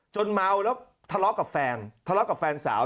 จนเมาแล้วทะเลาะกับแฟนสาว